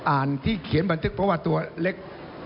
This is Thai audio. อ่านที่เขียนบันทึกเพราะว่าตัวเล็ก